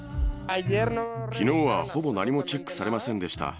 きのうはほぼ何もチェックされませんでした。